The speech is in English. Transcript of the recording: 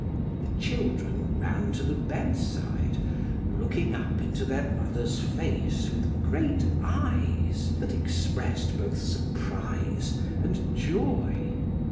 The children ran to the bedside, looking up into their mother's face with great eyes that expressed both surprise and joy.